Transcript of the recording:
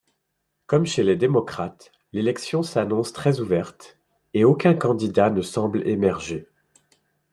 Comme chez les démocrates, l'élection s'annonce très ouverte et aucun candidat ne semble émerger.